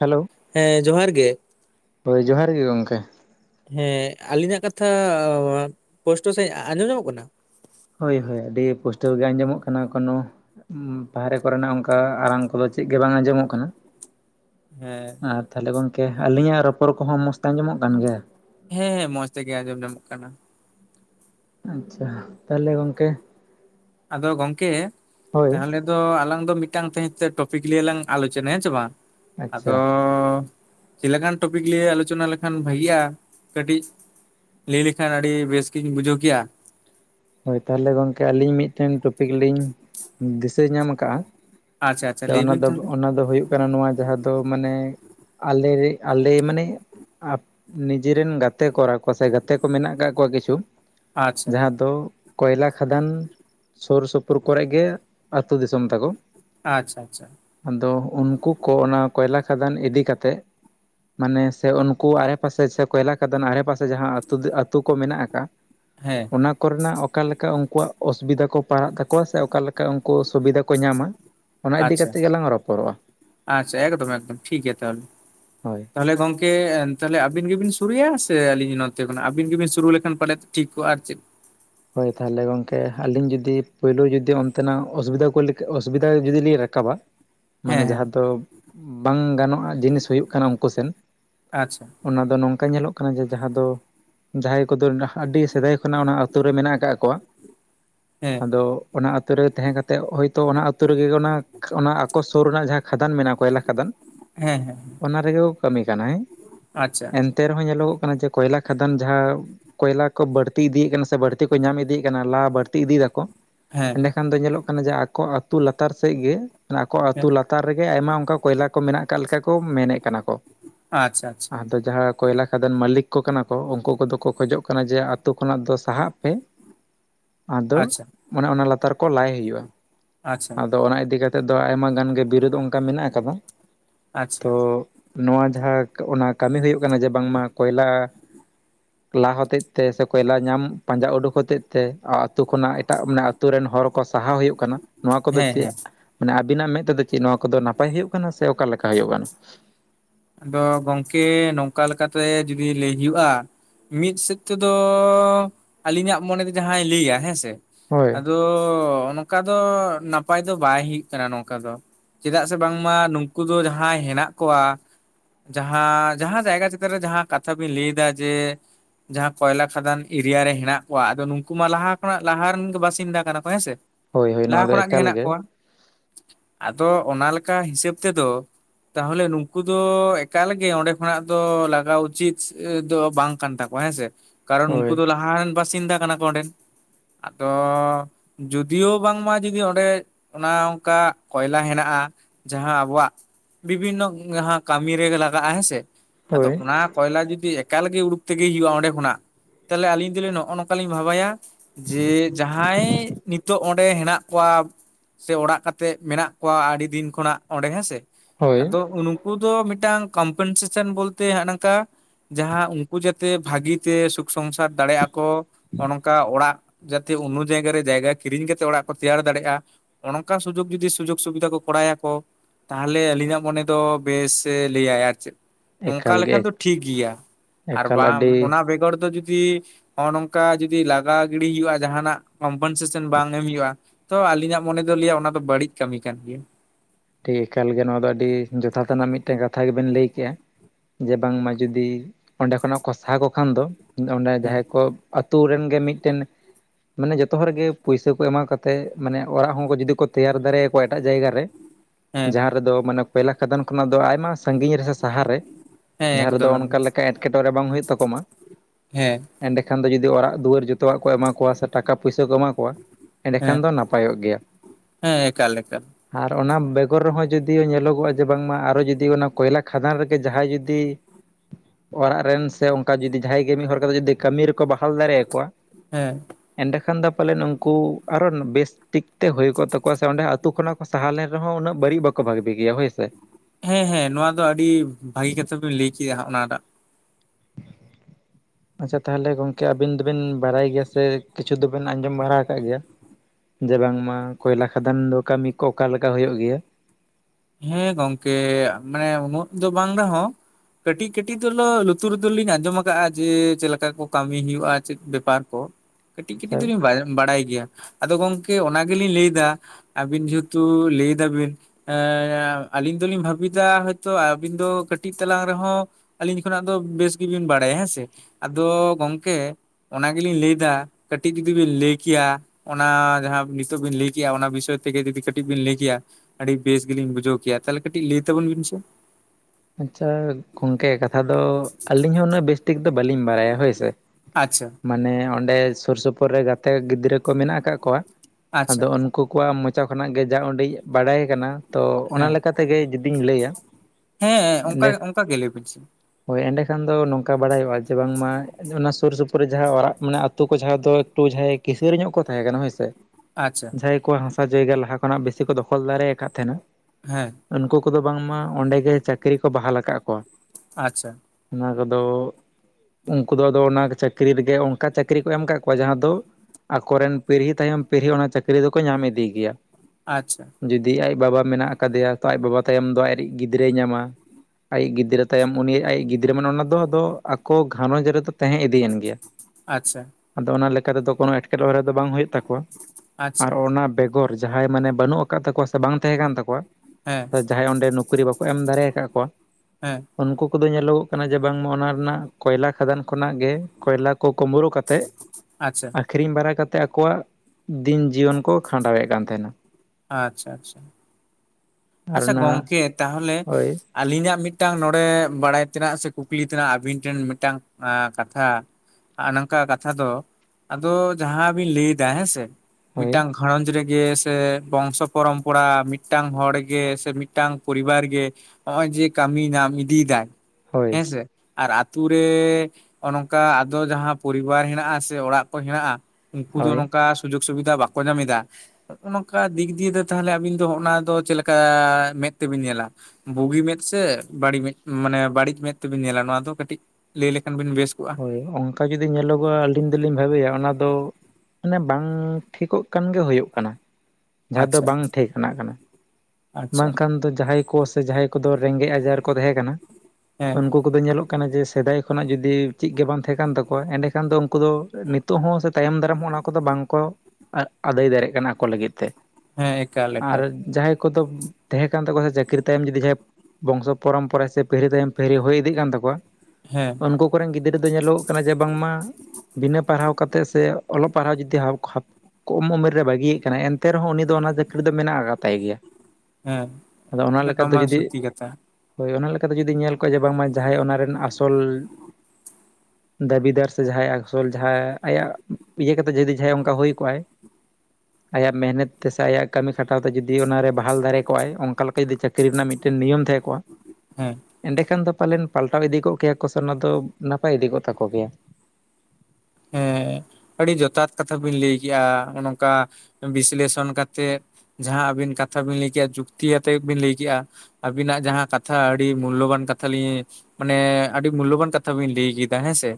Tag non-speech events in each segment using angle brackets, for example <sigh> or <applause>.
Hello ᱦᱮᱸ ᱡᱚᱦᱟᱨ ᱜᱮ ᱦᱳᱭ ᱡᱚᱦᱟᱨ ᱜᱮ ᱜᱚᱝᱠᱮ ᱦᱮᱸ ᱟᱞᱤᱧᱟᱜ ᱠᱟᱛᱷᱟ ᱯᱳᱥᱴᱳ ᱥᱟᱦᱤᱡ ᱟᱸᱡᱚᱢᱜ ᱧᱟᱢᱚᱜ ᱠᱟᱱᱟ ᱦᱳᱭ ᱦᱳᱭ ᱟᱹᱰᱤ ᱯᱩᱥᱴᱟᱹᱣ ᱜᱮ ᱟᱸᱡᱚᱢᱚᱜ ᱠᱟᱱᱟ ᱠᱳᱱᱳ ᱵᱟᱦᱨᱮ ᱠᱚᱨᱮ ᱱᱟᱜ ᱚᱱᱠᱟ ᱟᱲᱟᱝ ᱠᱚᱫᱚ ᱪᱮᱫ ᱜᱮ ᱵᱟᱝ ᱟᱸᱡᱚᱢᱚᱜ ᱠᱟᱱᱟ ᱦᱮᱸ ᱟᱨ ᱛᱟᱦᱚᱞᱮ ᱜᱚᱝᱠᱮ ᱟᱹᱞᱤᱧᱟᱜ ᱨᱚᱯᱚᱲ ᱠᱚᱦᱚᱸ ᱢᱚᱡᱽ ᱛᱮ ᱟᱸᱡᱚᱢ ᱢᱚᱜ ᱠᱟᱱ ᱜᱮᱭᱟ ᱦᱮᱸ ᱦᱮᱸ ᱢᱚᱡ ᱛᱮᱜᱮ ᱟᱸᱡᱚᱢ ᱧᱟᱢᱚᱜ ᱠᱟᱱᱟ ᱟᱪᱪᱷᱟ ᱛᱟᱦᱚᱞᱮ ᱜᱚᱝᱠᱮ ᱟᱫᱚ ᱜᱚᱝᱠᱮ ᱦᱳᱭ ᱛᱟᱦᱚᱞᱮ ᱛᱚ ᱟᱞᱟᱝ ᱫᱚ ᱢᱤᱫᱴᱟᱝ ᱛᱮᱦᱮᱧ ᱴᱚᱯᱤᱠ ᱱᱤᱭᱮ ᱞᱟᱝ ᱟᱞᱚᱪᱚᱱᱟ ᱦᱮᱸ ᱪᱮ ᱵᱟᱝ ᱟᱪᱪᱷᱟ ᱟᱫᱳ ᱪᱮᱫ ᱞᱮᱠᱟᱱ ᱴᱚᱯᱤᱠ ᱱᱤᱭᱮ ᱟᱞᱳᱪᱚᱱᱟ ᱞᱮᱠᱷᱟᱱ ᱵᱷᱟᱹᱜᱤ ᱟ ᱠᱟᱹᱴᱤᱡ ᱞᱟᱹᱭ ᱞᱮᱠᱷᱟᱱ ᱟᱹᱰᱤ ᱵᱮᱥᱜᱤᱧ ᱵᱩᱡᱷᱟᱹᱣ ᱠᱮᱭᱟ ᱦᱳᱭ ᱛᱟᱦᱚᱞᱮ ᱜᱚᱝᱠᱮ ᱟᱹᱞᱤᱧ ᱢᱤᱫ ᱴᱤᱱ ᱴᱚᱯᱤᱠ ᱞᱤᱧ ᱫᱤᱥᱟᱹ ᱧᱟᱢ ᱠᱟᱜᱼᱟ ᱟᱪᱪᱷᱟ ᱟᱪᱪᱷᱟ ᱥᱮ ᱞᱟᱹᱭ ᱚᱱᱟ ᱵᱤᱱ ᱫᱚ ᱛᱟᱦᱚᱞᱮ ᱚᱱᱟ ᱫᱚ ᱦᱩᱭᱩᱜ ᱠᱟᱱᱟ ᱱᱚᱣᱟ ᱡᱟᱦᱟᱸ ᱫᱚ ᱢᱟᱱᱮ ᱟᱞᱮ ᱨᱮ ᱟᱞᱮ ᱢᱟᱱᱮ ᱟᱯᱮ ᱱᱤᱡᱮ ᱨᱮᱱ ᱜᱟᱛᱮ ᱠᱚᱨᱟ ᱠᱚ ᱥᱮ ᱜᱟᱛᱮ ᱠᱚ ᱢᱮᱱᱟᱜ ᱠᱟᱜ ᱠᱚᱣᱟ ᱠᱤᱪᱷᱩ ᱟᱪᱪᱷᱟ ᱡᱟᱦᱟᱸ ᱫᱚ ᱠᱚᱭᱞᱟ ᱠᱷᱟᱫᱟᱱ ᱥᱩᱨ ᱥᱩᱯᱩᱨ ᱠᱚᱨᱮ ᱜᱮ ᱟᱹᱛᱩ ᱫᱤᱥᱚᱢ ᱛᱟᱠᱚ ᱟᱪᱪᱷᱟ ᱟᱪᱪᱷᱟ ᱟᱫᱚ ᱩᱱᱠᱩ ᱠᱚ ᱚᱱᱟ ᱠᱚᱭᱞᱟ ᱠᱷᱟᱫᱟᱱ ᱤᱫᱤ ᱠᱟᱛᱮᱫ ᱢᱟᱱᱮ ᱥᱮ ᱩᱱᱠᱩ ᱟᱮ ᱯᱟᱥᱮ ᱥᱮ ᱠᱚᱭᱞᱟ ᱠᱷᱫᱟᱱ ᱟᱲᱮ ᱯᱟᱥᱮ ᱡᱟᱦᱟᱸ ᱟᱛᱩ ᱫᱚ ᱟᱹᱛᱩ ᱠᱚ ᱢᱮᱱᱟᱜ ᱟᱠᱟᱜᱼᱟ ᱦᱮᱸ ᱚᱱᱟ ᱠᱚᱨᱮᱱᱟᱜ ᱚᱠ ᱚᱠᱟᱮ ᱞᱮᱠᱟ ᱩᱱᱠᱩᱣᱟᱜ ᱚᱥᱩᱵᱤᱫᱷᱟ ᱠᱚ ᱯᱟᱲᱟᱜ ᱛᱟᱠᱚᱣᱟ ᱥᱮ ᱚᱠᱟ ᱞᱮᱠᱟ ᱩᱱᱠᱩ ᱥᱩᱵᱤᱫᱷᱟ ᱠᱚ ᱧᱟᱢᱟ। ᱚᱱᱟ ᱤᱫᱤ ᱟᱪᱪᱷᱟ ᱠᱟᱛᱮᱫ ᱜᱮᱞᱟᱝ ᱨᱚᱯᱚᱲᱚᱜᱼᱟ ᱟᱪᱪᱷᱟ ᱮᱠᱫᱚᱢ ᱮᱠᱫᱚᱢ ᱴᱷᱤᱠ ᱜᱮᱭᱟ ᱛᱟᱦᱟᱞᱮ᱾ ᱦᱳᱭ ᱛᱟᱦᱟᱞᱮ ᱜᱚᱝᱠᱮ ᱜᱚᱢᱠᱮ ᱛᱟᱦᱟᱞᱮ ᱟᱵᱤᱱ ᱜᱮᱵᱤᱱ ᱥᱩᱨᱩᱭᱟ ᱥᱮ ᱟᱹᱞᱤᱧ ᱱᱚᱛᱮ ᱠᱷᱚᱱᱟᱜ ᱟᱹᱵᱤᱱ ᱜᱮᱵᱤᱱ ᱥᱩᱨᱩ ᱞᱮᱠᱷᱟᱱ ᱯᱟᱞᱮᱫ ᱴᱷᱤᱠ ᱠᱚᱜᱼᱟ ᱟᱨ ᱪᱮᱫ। ᱦᱳᱭ ᱛᱟᱦᱟᱞᱮ ᱜᱚᱝᱠᱮ ᱟᱹᱞᱤᱧ ᱡᱩᱫᱤ ᱯᱩᱭᱞᱩ ᱡᱩᱫᱤ ᱚᱱᱛᱮᱱᱟᱜ ᱚᱥᱩᱵᱤᱫᱷᱟ ᱠᱚ ᱚᱥᱩᱵᱤᱫᱷᱟ ᱡᱩᱫᱤ ᱞᱤᱧ ᱨᱟᱠᱟᱵᱟ᱾ ᱦᱮᱸ ᱢᱟᱱᱮ ᱡᱟᱦᱟᱸ ᱦᱮᱸ ᱫᱚ ᱵᱟᱝ ᱜᱟᱱᱚᱜᱼᱟᱜ ᱡᱤᱱᱤᱥ ᱦᱩᱭᱩᱜ ᱠᱟᱱᱟ ᱩᱱᱠᱩ ᱥᱮᱱ ᱟᱪᱪᱷᱟ ᱚᱱᱟ ᱫᱚ ᱱᱚᱝᱠᱟ ᱧᱮᱞᱚᱜ ᱠᱟᱱᱟ ᱡᱮ ᱡᱟᱦᱟᱸ ᱫᱚ ᱡᱟᱦᱟᱸᱭ ᱠᱚᱫᱚ ᱟᱹᱰᱤ ᱥᱮᱫᱟᱭ ᱠᱷᱚᱱᱟᱜ ᱚᱱᱟ ᱟᱛᱳ ᱨᱮ ᱢᱮᱱᱟᱜ ᱟᱠᱟᱫ ᱠᱚᱣᱟ ᱦᱮᱸ ᱟᱫᱚ ᱚᱱᱟ ᱟᱹᱛᱩ ᱨᱮ ᱛᱟᱦᱮᱸ ᱠᱟᱛᱮ ᱦᱚᱳᱭᱛᱳ ᱚᱱᱟ ᱟᱹᱛᱩ ᱨᱮᱜᱮ ᱚᱱᱟ ᱚᱱᱟ ᱟᱠᱚ ᱥᱩᱨ ᱨᱮᱱᱟᱜ ᱡᱟᱦᱟᱸ ᱠᱷᱟᱫᱟᱱ ᱢᱮᱱᱟᱜᱼᱟ᱾ ᱠᱚᱭᱞᱟ ᱠᱷᱟᱫᱟᱱ ᱼᱼ ᱦᱮᱸ ᱦᱮᱸ ᱚᱱᱟ ᱨᱮᱜᱮ ᱠᱚ ᱠᱟᱹᱢᱤ ᱠᱟᱱᱟ ᱦᱮᱸ᱾ ᱟᱪᱪᱷᱟ ᱮᱱ <unintelligible> ᱛᱮ ᱨᱮᱦᱚᱸ ᱧᱮᱞᱚᱜᱚᱜ ᱠᱟᱱᱟ ᱡᱮ ᱠᱚᱭᱞᱟ ᱠᱷᱟᱫᱟᱱ ᱡᱟᱦᱟᱸ ᱠᱚᱭᱞᱟ ᱠᱚ ᱵᱟᱹᱲᱛᱤ ᱤᱫᱤᱭᱮᱫ ᱠᱟᱱᱟ᱾ ᱥᱮ ᱥᱮ ᱵᱟᱹᱲᱛᱤ ᱠᱚ ᱧᱟᱢ ᱤᱫᱤᱭᱮᱜ ᱠᱟᱱᱟ ᱞᱟ ᱵᱟᱹᱲᱛᱤ ᱤᱫᱤᱭᱮᱫᱟᱠᱚ ᱦᱮᱸ ᱮᱸᱰᱮᱠᱷᱟᱱ ᱠᱷᱟᱱ ᱫᱚ ᱧᱮᱞᱚᱜ ᱠᱟᱱᱟ ᱡᱮ ᱟᱠᱚ ᱟᱹᱛᱩ ᱞᱟᱛᱟᱨ ᱥᱮᱫ ᱜᱮ ᱟᱠᱚ ᱟᱹᱛᱩ ᱦᱮᱸ ᱞᱟᱛᱟᱨ ᱨᱮᱜᱮ ᱟᱭᱢᱟ ᱚᱱᱠᱟ ᱠᱚᱭᱞᱟ ᱠᱚ ᱢᱮᱱᱟᱜ ᱟᱠᱟᱫ ᱞᱮᱠᱟ ᱠᱚ ᱢᱮᱱᱮᱫ ᱠᱟᱱᱟ ᱠᱚ᱾ ᱟᱪᱪᱷᱟ ᱟᱪᱪᱷᱟ ᱟᱫᱚ ᱡᱟᱦᱟᱸ ᱠᱚᱭᱞᱟ ᱠᱷᱟᱫᱟᱱ ᱢᱟᱹᱞᱤᱠ ᱠᱚ ᱠᱟᱱᱟ ᱠᱚ᱾ ᱩᱱᱠᱩ ᱠᱚᱫᱚ ᱠᱚ ᱠᱷᱚᱡᱚᱜ ᱠᱟᱱᱟ ᱡᱮ ᱟᱛᱩ ᱠᱷᱚᱱᱟᱜ ᱫᱚ ᱥᱟᱦᱟᱜ ᱯᱮ। ᱟᱫᱚ ᱟᱪᱪᱷᱟ ᱟᱱᱮ ᱚᱱᱟ ᱞᱟᱛᱟᱨ ᱠᱚ ᱞᱟᱭ ᱦᱩᱭᱩᱜᱼᱟ᱾ ᱟᱪᱪᱷᱟ ᱟᱫᱚ ᱚᱱᱟ ᱤᱫᱤ ᱠᱟᱛᱮ ᱛᱮᱫ ᱫᱚ ᱟᱭᱢᱟ ᱜᱟᱱ ᱜᱮ ᱵᱤᱨᱳᱫᱷ ᱚᱱᱠᱟ ᱢᱮᱱᱟᱜ ᱟᱠᱟᱫᱟ। ᱟᱪᱪᱷᱟ ᱛᱚ ᱱᱚᱣᱟ ᱡᱟᱦᱟᱸ ᱼᱼ ᱚᱱᱟ ᱠᱟᱹᱢᱤ ᱦᱩᱭᱩᱜ ᱠᱟᱱᱟ ᱡᱮ ᱵᱟᱝᱢᱟ ᱠᱚᱭᱞᱟ ᱞᱟ ᱦᱚᱛᱮᱡ ᱛᱮ ᱥᱮ ᱠᱚᱭᱞᱟ ᱧᱟᱢ ᱼᱼ ᱯᱟᱸᱡᱟ ᱩᱰᱩᱠ ᱦᱚᱛᱮᱫ ᱛᱮ ᱟᱛᱩ ᱠᱷᱚᱱᱟᱜ ᱮᱴᱟᱜ ᱢᱟᱱᱮ ᱟᱛᱩ ᱨᱮᱱ ᱦᱚᱲ ᱠᱚ ᱥᱟᱦᱟ ᱦᱩᱭᱩᱜ ᱼᱼ ᱠᱟᱱᱟ ᱱᱚᱣᱟ ᱠᱚᱫᱚ ᱦᱮᱸ ᱪᱮᱫ ᱦᱮᱸ ᱢᱟᱱᱮ ᱟᱹᱵᱤᱱᱟᱜ ᱢᱮᱫ ᱛᱮᱫᱚ ᱪᱮᱫ? ᱱᱚᱣᱟ ᱠᱚᱫᱚ ᱱᱟᱯᱟᱭ ᱼᱼ ᱱᱟᱯᱟᱭ ᱦᱩᱭᱩᱜ ᱠᱟᱱᱟ ᱥᱮ ᱚᱠᱟᱮᱠᱟ ᱦᱩᱭᱩᱜ ᱠᱟᱱᱟ? ᱟᱫᱚ ᱜᱚᱝᱠᱮ ᱱᱚᱝᱠᱟ ᱞᱮᱠᱟᱛᱮ ᱡᱩᱫᱤ ᱞᱟᱹᱭ ᱦᱩᱭᱩᱜᱼᱟ ᱢᱤᱫ ᱥᱮᱫ ᱛᱮᱫᱚᱻ ᱟᱹᱞᱤᱧᱟᱜ ᱢᱚᱱᱮᱛᱮ ᱡᱟᱦᱟᱸᱭ ᱞᱟᱹᱭᱟ ᱦᱮᱸ ᱥᱮ, ᱦᱳᱭ ᱟᱫᱚᱻ ᱱᱚᱝᱠᱟ ᱫᱚ ᱱᱟᱯᱟᱭ ᱫᱚ ᱵᱟᱭ ᱦᱩᱭᱩᱜ ᱠᱟᱱᱟ ᱱᱚᱝᱠᱟ ᱫᱚ᱾ ᱪᱮᱫᱟᱜ ᱥᱮ ᱵᱟᱝᱢᱟ ᱼᱼ ᱩᱱᱠᱩ ᱫᱚ ᱡᱟᱦᱟᱸᱭ ᱦᱮᱱᱟᱜ ᱠᱚᱣᱟ᱾ ᱡᱟᱦᱟᱸ ᱡᱟᱦᱟᱸ ᱡᱟᱭᱜᱟ ᱪᱮᱛᱟᱱ ᱨᱮ ᱡᱟᱦᱟᱸ ᱠᱟᱛᱷᱟ ᱵᱤᱱ ᱞᱟᱹᱭᱫᱟ ᱡᱮ। ᱡᱟᱦᱟᱸ ᱠᱚᱭᱞᱟ ᱠᱷᱟᱫᱟᱱ ᱮᱨᱤᱭᱟ ᱨᱮ ᱦᱮᱱᱟᱜ ᱠᱚᱣᱟ ᱟᱫᱚ ᱱᱩᱝᱠᱩ ᱢᱟ ᱞᱟᱦᱟ ᱠᱷᱚᱱᱟᱜ ᱞᱟᱦᱟ ᱨᱮᱱ ᱜᱮ ᱵᱟᱥᱤᱱᱫᱟ ᱠᱟᱱᱟ ᱠᱚ ᱦᱮᱸ ᱥᱮ। ᱦᱳᱭ ᱦᱳᱭ ᱞᱟᱦᱟ ᱱᱚᱣᱟ ᱫᱚ ᱠᱷᱚᱱᱟᱜ ᱜᱮ ᱮᱠᱟᱞ ᱦᱮᱱᱟᱜ ᱠᱚᱣᱟ᱾ ᱟᱫᱚ ᱚᱱᱟ ᱞᱮᱠᱟ ᱦᱤᱥᱟᱹᱵ ᱛᱮᱫᱚ᱾ ᱛᱟᱦᱟᱞᱮ ᱱᱩᱝᱠᱩ ᱫᱚ ᱮᱠᱟᱞᱜᱮ ᱚᱸᱰᱮ ᱠᱷᱚᱱᱟᱜ ᱫᱚ ᱞᱟᱜᱟᱣ ᱩᱪᱤᱛ ᱫᱚ ᱵᱟᱝ ᱠᱟᱱ ᱛᱟᱠᱚᱣᱟ। ᱦᱮᱸᱥᱮ ᱠᱟᱨᱚᱱ ᱩᱱᱠᱩ ᱦᱳᱭ ᱫᱚ ᱞᱟᱦᱟ ᱨᱮᱱ ᱵᱟᱥᱤᱱᱫᱟ ᱠᱟᱱᱟ ᱠᱚ ᱚᱸᱰᱮᱱ। ᱟᱫᱚ ᱡᱩᱫᱤᱭᱳ ᱵᱟᱝᱢᱟ ᱡᱩᱫᱤ ᱚᱸᱰᱮ ᱼᱼ ᱚᱱᱟ ᱚᱱᱠᱟ ᱠᱚᱭᱞᱟ ᱦᱮᱱᱟᱜᱼᱟ᱾ ᱡᱟᱦᱟᱸ ᱼᱼ ᱟᱵᱚᱣᱟᱜ ᱵᱤᱵᱷᱤᱱᱱᱚ ᱡᱟᱦᱟᱸ ᱠᱟᱹᱢᱤ ᱨᱮ ᱜᱮ ᱞᱟᱜᱟᱜᱼᱟ ᱦᱮᱸ ᱥᱮ। ᱟᱫᱚ ᱦᱳᱭ ᱚᱱᱟ ᱼᱼ ᱠᱚᱭᱞᱟ ᱡᱩᱫᱤ ᱮᱠᱟᱞᱜᱮ ᱩᱰᱩᱠ ᱛᱮᱜᱮ ᱦᱩᱭᱩᱜᱼᱟ ᱚᱸᱰᱮ ᱠᱷᱚᱱᱟᱜ ᱛᱟᱦᱟᱞᱮ ᱟᱹᱞᱤᱧ ᱫᱚᱧ ᱱᱚᱜᱼᱚ ᱱᱚᱝᱠᱟ ᱞᱤᱧ ᱵᱷᱟᱵᱟᱭᱟ। ᱡᱮ ᱡᱟᱦᱟᱸᱭ ᱱᱤᱛᱚᱜ ᱚᱸ ᱼᱼ ᱚᱸᱰᱮ ᱦᱮᱱᱟᱜ ᱠᱚᱣᱟ ᱥᱮ ᱚᱲᱟᱜ ᱠᱟᱛᱮᱫ ᱢᱮᱱᱟᱜ ᱠᱚᱣᱟ ᱟᱹᱰᱤ ᱫᱤᱱ ᱠᱷᱚᱱᱟᱜ। ᱚᱸᱰᱮ ᱦᱮᱸᱥᱮ ᱦᱳᱭ ᱟᱫᱚ ᱩᱱᱠᱩ ᱫᱚ ᱢᱤᱫᱴᱟᱝ ᱠᱚᱢᱯᱮᱱᱥᱮᱥᱚᱱ ᱵᱚᱞᱛᱮ ᱦᱟᱸᱜ ᱱᱟᱝᱠᱟ ᱼᱼ ᱡᱟᱦᱟᱸ ᱩᱱᱠᱩ ᱡᱟᱛᱮ ᱵᱷᱟᱹᱜᱤ ᱛᱮ ᱥᱩᱠᱷ ᱥᱚᱝᱥᱟᱨ ᱫᱟᱲᱮᱭᱟᱜᱼᱟ ᱠᱚ᱾ ᱚᱱ ᱚᱱᱠᱟ ᱚᱲᱟᱜ ᱡᱟᱛᱮ ᱚᱱᱱᱩ ᱡᱟᱭᱜᱟ ᱨᱮ ᱡᱟᱭᱜᱟ ᱠᱤᱨᱤᱧ ᱠᱟᱛᱮ ᱚᱲᱟᱜ ᱠᱚ ᱛᱮᱭᱟᱨ ᱫᱟᱲᱮᱭᱟᱜᱼᱟ᱾ ᱚᱱᱮ ᱚᱱᱠᱟ ᱥᱩᱡᱳᱜᱽ ᱡᱩᱫᱤ ᱥᱩᱡᱳᱜᱽ ᱥᱩᱵᱤᱫᱷᱟ ᱠᱚ ᱠᱚᱨᱟᱭᱟᱠᱚ᱾ ᱛᱟᱦᱟᱞᱮ ᱟᱹᱞᱤᱧᱟᱜ ᱢᱚᱱᱮ ᱫᱚ ᱵᱮᱥᱮ ᱞᱟᱹᱭᱟᱭ ᱟᱨ ᱪᱮᱫ᱾ ᱱᱚᱝᱠᱟ ᱮᱠᱟᱞ ᱜᱮ ᱞᱮᱠᱷᱟᱱ ᱫᱚ ᱴᱷᱤᱠ ᱜᱮᱭᱟ᱾ ᱟᱨ ᱮᱠᱟᱞ ᱵᱟᱝ ᱟᱹᱰᱤ ᱚᱱᱟ ᱵᱮᱜᱚᱨ ᱫᱚ ᱡᱩᱫᱤ ᱼᱼ ᱱᱚᱜᱼᱚ ᱱᱚᱝᱠᱟ ᱡᱩᱫᱤ ᱞᱟᱜᱟ ᱜᱤᱰᱤ ᱦᱩᱭᱩᱜᱼᱟ ᱡᱟᱦᱟᱱᱟᱜ ᱠᱚᱢᱯᱟᱱᱥᱮᱥᱚᱱ ᱵᱟᱝ ᱮᱢ ᱦᱩᱭᱩᱜᱭᱼᱟ᱾ ᱛᱚ ᱟᱹᱞᱤᱧᱟᱜ ᱢᱚᱱᱮ ᱫᱚ ᱞᱟᱹᱭᱟ ᱚᱱᱟ ᱫᱚ ᱵᱟᱹᱲᱤᱡ ᱠᱟᱹᱢᱤ ᱠᱟᱱ ᱜᱮᱭᱟ᱾ ᱴᱷᱤᱠ ᱮᱠᱟᱞᱜᱮ ᱱᱚᱣᱟ ᱫᱚ ᱟᱹᱰᱤ ᱡᱚᱛᱷᱟᱛᱱᱟᱜ ᱢᱤᱫᱴᱮᱱ ᱠᱟᱛᱷᱟ ᱜᱮᱵᱮᱱ ᱞᱟᱹᱭ ᱠᱮᱜᱼᱟ᱾ ᱡᱮ ᱵᱟᱝᱢᱟ ᱡᱩᱫᱤ ᱚᱸᱰᱮ ᱠᱷᱚᱱᱟᱜ ᱠᱚ ᱥᱟᱦᱟ ᱠᱚ ᱠᱷᱟᱱ ᱫᱚ ᱚᱸᱰᱮ ᱦᱮᱸ ᱡᱟᱦᱟᱸᱭ ᱠᱚ᱾ ᱟᱛᱳ ᱨᱮᱱ ᱜᱮ ᱢᱤᱫᱴᱮᱱ᱾ ᱢᱟᱱᱮ ᱡᱚᱛᱚ ᱦᱚᱲᱜᱮ ᱯᱩᱭᱥᱟᱹ ᱠᱚ ᱮᱢᱟ ᱠᱟᱛᱮ ᱢᱟᱱᱮ ᱚᱲᱟᱜ ᱦᱚᱸ ᱡᱩᱫᱤ ᱠᱚ ᱛᱮᱭᱟᱨ ᱫᱟᱲᱮᱭᱟᱟᱠᱚᱣᱟ ᱮᱴᱟᱜ ᱡᱟᱭᱜᱟ ᱨᱮ᱾ ᱦᱮᱸ ᱡᱟᱦᱟᱸ ᱨᱮᱫᱚ ᱢᱟᱱᱮ ᱠᱚᱚᱭᱞᱟ ᱠᱷᱟᱫᱟᱱ ᱠᱷᱚᱱᱟᱜ ᱫᱚ ᱟᱭᱢᱟ ᱥᱟᱺᱜᱤᱧ ᱨᱮᱥᱮ ᱥᱟᱦᱟᱨᱮ᱾ ᱦᱮᱸ ᱡᱟᱦᱟᱸ ᱨᱮᱫᱚ ᱮᱠᱫᱚᱢ ᱮᱠᱫᱚᱢ ᱚᱱᱠᱟ ᱞᱮᱠᱟ ᱮᱸᱴᱠᱮᱴᱚᱬᱮ ᱵᱟᱝ ᱦᱩᱭᱩᱜ ᱛᱟᱠ ᱢᱟ ᱦᱮᱸ ᱮᱸᱰᱮᱠᱷᱟᱱ ᱫᱚ ᱡᱩᱫᱤ ᱚᱲᱟᱜ ᱫᱩᱣᱟᱹᱨ ᱡᱚᱛᱚᱣᱟᱜ ᱠᱚ ᱮᱢᱟ ᱠᱚᱣᱟ ᱥᱮ ᱴᱟᱠᱟ ᱯᱩᱭᱥᱟᱹ ᱠᱚ ᱮᱢᱟ ᱠᱚᱣᱟ᱾ ᱮᱸᱰᱮᱠᱷᱟᱱ ᱦᱮᱸ ᱫᱚ ᱱᱟᱯᱟᱭᱚᱜ ᱜᱮᱭᱟ ᱦᱮᱸ ᱮᱠᱟᱞ ᱮᱠᱟᱞ ᱟᱨ ᱚᱱᱟᱵᱮᱜ ᱚᱨ ᱨᱮᱦᱚᱸ ᱡᱩᱫᱤ ᱧᱮᱞᱚᱜᱚᱜᱼᱟ ᱡᱮ ᱵᱟᱝᱢᱟ ᱟᱨᱚ ᱡᱩᱫᱤ ᱚᱱᱟ ᱠᱚᱭᱞᱟ ᱠᱷᱟᱫᱟᱱ ᱨᱮᱜᱮ ᱡᱟᱦᱟᱸᱭ ᱡᱩᱫᱤ᱾ ᱚᱲᱟᱜ ᱨᱮᱱ ᱥᱮ ᱚᱱᱠᱟ ᱡᱩᱫᱤ ᱡᱟᱦᱟᱸᱭ ᱜᱮ ᱢᱤᱫ ᱦᱚᱲ ᱠᱟᱛᱮ ᱡᱩᱫᱤ ᱠᱟᱹᱢᱤ ᱨᱮᱠᱚ ᱵᱟᱦᱟᱞ ᱫᱟᱲᱮᱭᱟᱠᱚᱣᱟ᱾ ᱦᱮᱸ ᱮᱸᱰᱮᱠᱷᱟᱱ ᱫᱚ ᱯᱟᱞᱮᱱ ᱱᱩᱝᱠᱩ ᱟᱨᱚ ᱵᱮᱥ᱾ ᱴᱷᱤᱠᱛᱮ ᱦᱩᱭ ᱠᱚᱜ ᱛᱟᱠᱚᱣᱟ ᱥᱮ ᱚᱸᱰᱮ ᱟᱛᱳ ᱠᱷᱚᱱᱟᱜ ᱠᱚ ᱥᱟᱦᱟ ᱞᱮᱱ ᱨᱮᱦᱚᱸ ᱩᱱᱟᱹᱜ ᱵᱟᱹᱲᱤᱡ ᱵᱟᱠᱚ ᱵᱷᱟᱹᱜᱤ ᱜᱮᱭᱟ ᱦᱳᱭ ᱥᱮ᱾ ᱦᱮᱸ ᱦᱮᱸ ᱱᱚᱣᱟ ᱫᱚ ᱟᱹᱰᱤ ᱵᱷᱟᱹᱜᱤ ᱠᱟᱛᱷᱟ ᱵᱮᱤᱱ ᱞᱟᱹᱭᱠᱟᱜ ᱱᱚᱼᱚ ᱱᱚᱱᱟᱣᱟᱴᱟ᱾ ᱟᱪᱪᱷᱟ ᱛᱟᱦᱚᱞᱮ ᱜᱚᱝᱠᱮ ᱟᱵᱤᱱ ᱫᱚᱵᱤᱱ ᱵᱟᱲᱟᱭ ᱜᱮᱭᱟ ᱥᱮ ᱠᱤᱪᱷᱩ ᱫᱚᱵᱤᱱ ᱟᱸᱡᱚᱢ ᱵᱟᱲᱟ ᱟᱠᱟᱫ ᱜᱮᱭᱟ᱾ ᱡᱮ ᱵᱟᱝᱢᱟ ᱠᱚᱭᱞᱟ ᱠᱷᱟᱫᱟᱱ ᱫᱚ ᱠᱟᱹᱢᱤ ᱠᱚ ᱚᱠᱟᱞ ᱞᱮᱠᱟ ᱦᱩᱭᱩᱜ ᱜᱮᱭᱟ᱾ ᱦᱮᱸ ᱜᱚᱝᱠᱮ ᱢᱟᱱᱮ ᱩᱱᱟᱹᱜ ᱫᱚ ᱵᱟᱝ ᱨᱮᱦᱚᱸ᱾ ᱠᱟᱹᱴᱤᱡ ᱠᱟᱹᱴᱤᱡ ᱫᱚᱞᱚ ᱞᱩᱛᱩᱨ ᱫᱚᱞᱤᱧ ᱟᱸᱡᱚᱢ ᱟᱠᱟᱫᱼᱟ ᱡᱮ ᱪᱮᱫ ᱞᱮᱠᱟ ᱠᱚ ᱠᱟᱹᱢᱤ ᱦᱩᱭᱩᱜᱼᱟ ᱪᱮᱫ ᱵᱮᱯᱟᱨ᱾ ᱠᱚ ᱠᱟᱹᱴᱤᱡ ᱠᱟᱹᱴᱤᱡ ᱟᱪᱪᱷᱟ ᱫᱚᱞᱤᱧ ᱵᱟᱲᱟᱭ ᱜᱮᱭᱟ᱾ ᱟᱫᱚ ᱜᱚᱝᱠᱮ ᱚᱱᱟ ᱜᱮᱞᱤᱧ ᱞᱟᱹᱭ ᱮᱫᱟ ᱟᱵᱤᱱ ᱡᱮᱦᱮᱛᱩ ᱞᱟᱹᱭ ᱫᱟᱵᱤᱱ᱾ ᱟᱹᱞᱤᱧ ᱫᱚᱞᱤᱧ ᱵᱷᱟᱹᱵᱤᱭᱟ ᱦᱚᱭᱛᱳ ᱟᱹᱵᱤᱱ ᱫᱚ ᱠᱟᱹᱴᱤᱡ ᱛᱟᱞᱟᱝ ᱨᱮᱦᱚᱸ᱾ ᱟᱹᱞᱤᱧ ᱠᱷᱚᱱᱟᱜ ᱫᱚ ᱵᱮᱥ ᱜᱮᱵᱤᱱ ᱵᱟᱲᱟᱭᱟ ᱦᱮᱸ ᱥᱮ ᱟᱫᱚ ᱜᱚᱝᱠᱮ᱾ ᱚᱱᱟ ᱜᱮᱞᱤᱧ ᱞᱟᱹᱭᱫᱟ ᱠᱟᱹᱴᱤᱡ ᱡᱩᱫᱤ ᱵᱤᱱ ᱞᱟᱹᱭ ᱠᱮᱭᱟ᱾ ᱚᱱᱟ ᱡᱟᱦᱟᱸ ᱱᱤᱛᱚᱜ ᱵᱤᱱ ᱞᱟᱹᱭ ᱠᱮᱭᱟ ᱚᱱᱟ ᱵᱤᱥᱚᱭ ᱛᱮᱜᱮ ᱡᱩᱫᱤ ᱠᱟᱹᱴᱤᱡ ᱵᱤᱱ ᱞᱟᱹᱭ ᱠᱮᱭᱟ᱾ ᱟᱹᱰᱤ ᱵᱮᱥ ᱜᱮᱞᱤᱧ ᱵᱩᱡᱷᱟᱹᱣ ᱠᱮ ᱛᱟᱦᱚᱞᱮ ᱠᱟᱹᱴᱤᱡ ᱞᱟᱹᱭ ᱛᱟᱵᱚᱱ ᱵᱤᱱ ᱥᱮ᱾ ᱟᱪᱪᱷᱟ ᱜᱚᱝᱠᱮ ᱠᱟᱛᱷᱟ ᱫᱚ ᱟᱹᱞᱤᱧ ᱦᱚᱸ ᱩᱱᱟᱹᱜ ᱵᱮᱥᱴᱷᱤᱠ ᱫᱚ ᱵᱟᱹᱞᱤᱧ ᱵᱟᱲᱟᱭᱟ ᱦᱳᱭ ᱥᱮ᱾ ᱟᱪᱪᱷᱟ᱾ ᱢᱟᱱᱮ ᱚᱸᱰᱮ ᱥᱩᱨ ᱥᱩᱯᱩᱨ ᱨᱮ ᱜᱟᱛᱮ ᱜᱤᱫᱽᱨᱟᱹ ᱠᱚ ᱢᱮᱱᱟᱜ ᱟᱠᱟᱫ ᱠᱚᱣᱟ ᱟᱪᱪᱷᱟ ᱟᱫᱚ ᱩᱱ᱾ ᱩᱱᱠᱩ ᱠᱚᱣᱟᱜ ᱢᱚᱪᱟ ᱠᱷᱚᱱᱟᱜ ᱜᱮ ᱡᱟ ᱚᱸᱰᱤ ᱵᱟᱰᱟᱭ ᱠᱟᱱᱟ ᱛᱚ ᱚᱱᱟ ᱦᱮᱸ ᱞᱮᱠᱟᱛᱮᱜᱮ ᱡᱩᱫᱤᱧ ᱞᱟᱹᱭᱟ᱾ ᱦᱮᱸ ᱚᱱᱠᱟ ᱮᱸᱰᱮ ᱚᱱᱠᱟ ᱜᱮ ᱞᱟᱹᱭᱵᱤᱱ ᱥᱮ᱾ ᱦᱳᱭ ᱮᱸᱰᱮᱠᱷᱟᱱ ᱫᱚ ᱱᱚᱝᱠᱟ ᱵᱟᱲᱟᱭᱚᱜᱼᱟ ᱡᱮ ᱵᱟᱝᱢᱟ ᱚᱱᱟ ᱥᱩᱨ ᱥᱩᱯᱩᱨ᱾ ᱛᱚᱨᱮ ᱡᱟᱦᱟᱸ ᱚᱲᱟᱜ ᱢᱮ ᱟᱹᱛᱩᱳ ᱠᱚ ᱡᱟᱦᱟᱸ ᱫᱚ ᱮᱠᱴᱩ ᱡᱟᱦᱟᱸᱭ ᱠᱤᱥᱟᱹᱲᱤ ᱧᱚᱜ ᱠᱚ ᱛᱟᱦᱮᱸ ᱠᱟᱱᱟ ᱦᱳᱭ ᱥᱮ᱾ ᱟᱪᱪᱷᱟ᱾ ᱡᱟᱦᱟᱸᱭ ᱠᱚᱣᱟᱜ ᱦᱟᱥᱟ ᱡᱟᱭᱜᱟ ᱞᱟᱦᱟ ᱠᱷᱚᱱᱟᱜ ᱵᱮᱥᱤ ᱠᱚ ᱫᱚᱠᱷᱚᱞ ᱫᱟᱲᱮᱭᱟ ᱟᱠᱟᱫ ᱛᱟᱦᱮᱱᱟ᱾ ᱦᱮᱸ᱾ ᱩᱱᱠᱩ ᱠᱚᱫᱚ ᱵᱟᱝᱢᱟ ᱚᱸᱰᱮᱜ ᱜᱮ ᱪᱟᱹᱠᱨᱤ ᱠᱚ ᱵᱟᱦᱟᱞ ᱟᱠᱟᱫ ᱠᱚᱣᱟ᱾ ᱟᱪᱪᱷᱟ᱾ ᱚᱱᱟ ᱠᱚᱫᱚ ᱩᱱᱠᱩ ᱫᱚ ᱟᱫᱚ ᱚᱱᱟ ᱪᱟᱹᱠᱨᱤ ᱨᱮᱜᱮ ᱚᱱᱠᱟ ᱪᱟᱹᱠᱨᱤ ᱠᱚ ᱮᱢ ᱠᱟᱫ ᱠᱚᱣᱟ ᱡᱟᱦᱟᱸ ᱫᱚ᱾ ᱟᱠᱚᱨᱮᱱ ᱯᱤᱨᱦᱤ ᱛᱟᱭᱚᱢ ᱯᱤᱨᱦᱤ ᱚᱱᱟ ᱪᱟᱹᱠᱨᱤ ᱫᱚᱠᱚ ᱧᱟᱢ ᱤᱫᱤ ᱜᱮᱭᱟ᱾ ᱟᱪᱪᱷᱟ᱾ ᱡᱩᱫᱤ ᱟᱡ ᱵᱟᱵᱟ ᱢᱮᱱᱟᱜ ᱟᱠᱟᱫᱮᱭᱟ ᱛᱚ ᱟᱡ ᱵᱟᱵᱟ ᱛᱟᱭᱚᱢ ᱫᱚ ᱟᱡᱨᱮᱤᱡ ᱜᱤᱫᱽᱨᱟᱹᱭ ᱧᱟᱢᱟ᱾ ᱟᱡᱤᱡ ᱜᱤᱫᱽᱨᱟᱹ ᱛᱟᱭᱚᱢ ᱩᱱᱤᱭᱟᱜ ᱟᱡᱤᱡ ᱜᱤᱫᱽᱨᱟᱹ ᱢᱟᱱᱮ ᱚᱱᱟ ᱫᱚ ᱟᱫᱚ ᱟᱠᱚ ᱜᱷᱟᱨᱚᱸᱡᱽ ᱨᱮᱫᱚ᱾ ᱛᱟᱦᱮᱸ ᱤᱫᱤᱭᱮᱱ ᱜᱮᱭᱟ ᱟᱪᱪᱷᱟ ᱟᱫᱚ ᱚᱱᱟ ᱞᱮᱠᱟ ᱛᱮᱫᱚ ᱠᱳᱱᱳ ᱮᱴᱠᱮᱴᱚᱬᱮ ᱫᱚ ᱵᱟᱝ ᱦᱩᱭᱩᱜ ᱛᱟᱠᱚᱣᱟ᱾ ᱟᱪᱪᱷᱟ ᱟᱨ ᱚᱱᱟ ᱵᱮᱜᱚᱨ ᱡᱟᱦᱟᱸᱭ ᱢᱟᱱᱮ ᱵᱟᱹᱱᱩᱜ ᱟᱠᱟᱫ ᱛᱟᱠᱚᱣᱟ ᱥᱮ ᱵᱟᱝ ᱛᱟᱦᱮᱸ ᱠᱟᱱ ᱛᱟᱠᱚᱣᱟ᱾ ᱦᱮᱸ ᱡᱟᱦᱟᱸᱭ ᱚᱸᱰᱮ ᱱᱩᱠᱨᱤ ᱵᱟᱠᱚ ᱮᱢ ᱫᱟᱲᱮᱭᱟ ᱟᱠᱟᱫ ᱠᱚᱣᱟ᱾ ᱦᱮᱸ ᱩᱱᱠᱩ ᱠᱚᱫᱚ ᱧᱮᱞᱚᱜᱚᱜ ᱠᱟᱱᱟ ᱡᱮ ᱵᱟᱝᱢᱟ ᱚᱱᱟ ᱨᱮᱱᱟᱜ ᱠᱚᱭᱞᱟ ᱠᱷᱟᱫᱟᱱ ᱠᱷᱚᱱᱟᱜ ᱜᱮ ᱠᱚᱭᱞᱟ᱾ ᱠᱚ ᱠᱩᱢᱵᱲᱩ ᱠᱟᱛᱮ <unintelligible> ᱮᱫ ᱟᱪᱪᱷᱟ ᱟᱹᱠᱷᱨᱤᱧ ᱵᱟᱲᱟ ᱠᱟᱛᱮᱫ ᱟᱠᱚᱣᱟᱜ ᱫᱤᱱ ᱡᱤᱭᱚᱱ ᱠᱚ ᱠᱷᱟᱸᱰᱟᱣᱮᱫ ᱠᱟᱱ ᱛᱟᱦᱮᱱᱟ ᱟᱪᱪᱷᱟ ᱟᱪᱪᱷᱟ ᱟᱨ ᱟᱪᱪᱷᱟ ᱚᱱᱟ ᱜᱚᱝᱠᱮ ᱛᱟᱦᱚᱞᱮ ᱦᱳᱭ ᱟᱹᱞᱤᱧᱟᱜ ᱢᱤᱫᱴᱟᱝ ᱱᱚᱰᱮ ᱵᱟᱲᱟᱭ ᱛᱮᱱᱟᱜ ᱥᱮ ᱠᱩᱠᱞᱤ ᱛᱮᱱᱟᱜ ᱟᱹᱵᱤᱱ ᱴᱮᱱ ᱢᱤᱫᱴᱟᱝ ᱠᱟᱛᱷᱟ ᱟᱨ ᱱᱚᱝᱠᱟ ᱠᱟᱛᱷᱟ ᱫᱚ ᱟᱫᱚ ᱡᱟᱦᱟᱸ ᱵᱤᱱ ᱞᱟᱹᱭᱫᱟ ᱦᱮᱸ ᱥᱮ ᱦᱳᱭ ᱢᱤᱫᱴᱟᱝ ᱜᱷᱟᱨᱚᱸᱡᱽ ᱨᱮᱜᱮ ᱥᱮ ᱵᱚᱝᱥᱚ ᱯᱚᱨᱚᱢᱯᱚᱨᱟ ᱢᱤᱫᱴᱟᱝ ᱦᱚᱲ᱾ ᱜᱮ ᱥᱮ ᱢᱤᱫᱴᱟᱝ ᱯᱚᱨᱤᱵᱟᱨ ᱜᱮ ᱱᱚᱜᱼᱚᱭ ᱡᱮ ᱠᱟᱹᱢᱤ ᱧᱟᱢ ᱤᱫᱤᱭᱮᱫᱟᱭ ᱦᱳᱭ ᱦᱮᱸᱥᱮ᱿ ᱟᱨ ᱟᱛᱳ ᱨᱮ ᱱᱚᱝᱠᱟ ᱟᱫᱚ ᱡᱟᱦᱟᱸ ᱯᱚᱨᱤᱵᱟᱨ ᱦᱮᱱᱟᱜᱼᱟ ᱥᱮ ᱚᱲᱟᱜ ᱠᱚ ᱦᱮᱱᱟᱜᱼᱟ᱾ ᱩᱱᱠᱩ ᱫᱚ ᱦᱳᱭ ᱱᱚᱝᱠᱟ ᱥᱩᱡᱳᱜ ᱥᱩᱵᱤᱫᱷᱟ ᱵᱟᱠᱚ ᱧᱟᱢ ᱮᱫᱟ ᱱᱚᱜᱻᱚᱭ ᱱᱚᱝᱠᱟ ᱫᱤᱠ ᱫᱤᱭᱮ ᱫᱚ ᱛᱟᱦᱚᱞᱮ ᱟᱵᱤᱱ ᱫᱚᱜ ᱪᱮᱫ ᱠᱟ ᱢᱮᱸᱫ ᱛᱮᱵᱤᱱ ᱧᱮᱞᱟ᱾ ᱵᱩᱜᱤ ᱢᱮᱫ ᱥᱮ ᱵᱟᱹᱲᱤᱡ ᱢᱮᱫ ᱢᱟᱱᱮ ᱵᱟᱹᱲᱤᱡ ᱢᱮᱫ ᱛᱮᱵᱮᱱ ᱧᱮᱞᱟ ᱱᱚᱣᱟ ᱫᱚ ᱠᱟᱹᱴᱤᱡ᱾ ᱞᱟᱹᱭ ᱞᱮᱠᱷᱟᱱ ᱵᱤᱱ ᱵᱮᱥ ᱠᱚᱜᱼᱟ᱾ ᱦᱳᱭ ᱚᱱᱠᱟ ᱡᱩᱫᱤ ᱧᱮᱞᱚᱜᱚᱜᱼᱟ ᱟᱹᱞᱤᱧ ᱫᱚᱞᱤᱧ ᱵᱷᱟᱵᱮᱭᱟ ᱚᱱᱟ ᱫᱚ ᱢᱟᱱᱮ ᱵᱟᱝ ᱴᱷᱤᱠᱚᱜ ᱠᱟᱱᱜᱮ ᱦᱩᱭᱩᱜ ᱠᱟᱱᱟ ᱡᱟᱦᱟᱸ ᱫᱚ ᱟᱪᱪᱷᱟ ᱵᱟᱝ ᱴᱷᱤᱠᱱᱟᱜ ᱠᱟᱱᱟ᱾ ᱟᱪᱪᱷᱟ ᱵᱟᱝᱠᱷᱟᱱ ᱫᱚ ᱡᱟᱦᱟᱸᱭ ᱠᱚ ᱥᱮ ᱡᱟᱦᱟᱸᱭ ᱠᱚᱫᱚ ᱨᱮᱸᱜᱮᱡ ᱟᱡᱟᱨ ᱠᱚ ᱛᱟᱦᱮᱸ ᱠᱟᱱᱟ ᱦᱮᱸ ᱩᱱᱠᱩ ᱩᱱᱠᱩ ᱫᱚ ᱧᱮᱞᱚᱜ ᱠᱟᱱᱟ ᱡᱮ ᱥᱮᱫᱟᱭ ᱠᱷᱚᱱᱟᱜ ᱡᱩᱫᱤ ᱪᱮᱫ ᱜᱮ ᱵᱟᱝ ᱛᱟᱦᱮᱸ ᱠᱟᱱ ᱛᱟᱠᱚᱣᱟ ᱮᱸᱱᱮᱠᱷᱟᱱ ᱫᱚ ᱩᱱᱠᱩ ᱫᱚ ᱤᱛᱚ ᱦᱚᱸ ᱥᱮ ᱛᱟᱭᱚᱢ ᱫᱟᱨᱟᱢ ᱦᱚᱸ ᱚᱱᱟ ᱠᱚᱫᱚ ᱵᱟᱝ ᱠᱚ ᱟᱹᱫᱟᱹᱭ ᱫᱟᱲᱮᱜ ᱠᱟᱱᱟ ᱟᱠᱚ ᱞᱟᱹᱜᱤᱫ ᱛᱮ ᱦᱮᱸ ᱮᱠᱟᱞ ᱟᱨ ᱮᱠᱟᱞ ᱡᱟᱦᱟᱸᱭ ᱠᱚᱫᱚ ᱛᱟᱦᱮᱸᱠᱟᱱ ᱛᱟᱠᱚᱣᱟ ᱪᱟᱹᱠᱨᱤ ᱛᱟᱭᱚᱢ ᱡᱩᱫᱤ ᱡᱟᱦᱟᱸᱭ ᱵᱚᱝᱥᱚ ᱯᱚᱨᱚᱢᱯᱚᱨᱟᱭ ᱥᱮ ᱯᱤᱲᱦᱤ ᱛᱟᱭᱚᱢ ᱯᱤᱲᱦᱤ ᱦᱩᱭ ᱤᱫᱤᱜ ᱠᱟᱱ ᱛᱟᱠᱚᱣᱟ᱾ ᱦᱮᱸ ᱩᱱᱠᱩ ᱠᱚᱨᱮᱱ ᱜᱤᱫᱽᱨᱟᱹ ᱫᱚ ᱧᱮᱞᱚᱜ ᱠᱟᱱᱟ ᱡᱮ ᱵᱟᱝᱢᱟ ᱵᱤᱱᱟᱹ ᱯᱟᱲᱦᱟᱣ ᱠᱟᱛᱮ ᱥᱮ ᱚᱞᱚᱜ ᱯᱟᱲᱦᱟᱣ ᱡᱩᱫᱤ <unintelligible> ᱠᱚᱢ ᱩᱢᱮᱨ ᱨᱮ ᱵᱟᱹᱜᱤᱭᱮ ᱠᱟᱱᱟ ᱮᱱᱛᱮ ᱨᱮᱦᱚᱸ ᱩᱱᱤ ᱫᱚ ᱚᱱᱟ ᱪᱟᱹᱠᱨᱤ ᱫᱚ ᱢᱮᱱᱟᱜ ᱟᱠᱟᱛᱟᱭ ᱜᱮᱭᱟ᱿ ᱦᱮᱸ <unintelligible> ᱚᱱᱟ ᱟᱫᱚ ᱱᱚᱣᱟ ᱞᱮᱠᱟᱛᱮ ᱢᱟ ᱡᱩᱫᱤ ᱥᱚᱛᱤ ᱠᱟᱛᱷᱟ᱾ ᱦᱳᱭ ᱚᱱᱟ ᱞᱮᱠᱟᱛᱮ ᱡᱩᱫᱤ ᱧᱮᱞ ᱠᱚᱜᱼᱟ ᱡᱮ ᱵᱟᱝᱢᱟ ᱡᱟᱦᱟᱸᱭ ᱚᱱᱟᱨᱮ ᱨᱮᱱ ᱟᱥᱚᱞ <unintelligible> ᱫᱟᱹᱵᱤᱫᱟᱨ ᱥᱮ ᱡᱟᱦᱟᱸᱭᱟᱜ ᱟᱥᱚᱞ ᱡᱟᱦᱟᱸ ᱟᱭᱟᱜ ᱤᱭᱟᱹ ᱠᱟᱛᱮ ᱡᱩᱫᱤ ᱡᱟᱦᱟᱸᱭ ᱚᱱᱠᱟ ᱦᱩᱭ ᱠᱚᱜᱼᱟᱭ ᱟᱭᱟᱜ ᱢᱮᱦᱚᱛ ᱛᱮ ᱥᱮ ᱟᱭᱟᱜ ᱠᱟᱹᱢᱤ ᱠᱷᱟᱴᱟᱣ ᱛᱮ ᱡᱩᱫᱤ ᱚᱱᱟᱨᱮ ᱵᱷᱟᱞ ᱫᱟᱲᱮ ᱠᱚᱜᱼᱟᱭ ᱚᱱᱠᱟ ᱞᱮᱠᱟ ᱡᱩᱫᱤ ᱪᱟᱹᱠᱨᱤ ᱨᱮᱱᱟᱜ ᱢᱤᱫᱴᱮᱱ ᱱᱤᱭᱚᱢ ᱛᱟᱦᱮᱸ ᱠᱚᱜᱼᱟ ᱦᱮᱸ <unintelligible> ᱮᱸᱰᱮᱠᱷᱟᱱ ᱫᱚ ᱯᱟᱞᱮᱱ ᱯᱟᱞᱴᱟᱣ ᱤᱫᱤ ᱠᱚᱜ ᱠᱮᱭᱟ ᱠᱚ ᱥᱮ ᱚᱱᱟ ᱫᱚ ᱱᱟᱯᱟᱭ ᱤᱫᱤ ᱠᱚᱜ ᱛᱟᱠᱚ ᱜᱮᱭᱟ᱾ ᱦᱮᱸ <unintelligible> ᱟᱹᱰᱤ ᱡᱚᱛᱷᱟᱛ ᱠᱟᱛᱷᱟ ᱵᱤᱱ ᱞᱟᱹᱭ ᱠᱮᱫᱮᱜᱼᱟ ᱱᱚᱝᱠᱟ ᱵᱤᱥᱞᱮᱥᱚᱱ ᱠᱟᱛᱮ᱾ ᱡᱟᱦᱟᱸ ᱟᱹᱵᱤᱱ ᱠᱟᱛᱷᱟ ᱵᱤᱱ ᱞᱟᱹᱭ ᱠᱮᱜ-ᱟ ᱡᱩᱠᱛᱤ ᱟᱛᱮᱫ ᱵᱤᱱ ᱞᱟᱹᱭ ᱠᱮᱜᱼᱟ᱾ ᱟᱹᱵᱤᱱᱟᱜ ᱡᱟᱦᱟᱸ ᱠᱟᱛᱷᱟ ᱟᱹᱰᱤ ᱢᱩᱞᱚᱵᱟᱱ ᱠᱟᱛᱷᱟ ᱞᱤᱧ ᱢᱟᱱᱮ ᱟᱹᱰᱤ ᱢᱩᱞᱚᱵᱟᱱ ᱠᱟᱛᱷᱟ ᱵᱤᱱ ᱞᱟᱹᱭ ᱠᱮᱫᱟ ᱦᱮᱸᱥᱮ